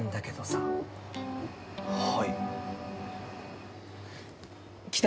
はい。